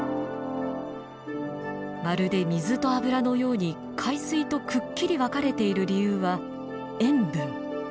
まるで水と油のように海水とくっきり分かれている理由は塩分。